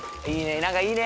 何かいいね！